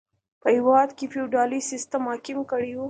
په هېواد کې فیوډالي سیستم حاکم کړی و.